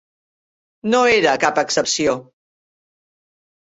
No era cap excepció.